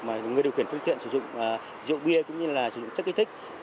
mà người điều khiển phương tiện sử dụng rượu bia cũng như là sử dụng chất kích thích